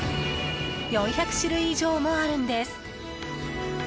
４００種類以上もあるんです。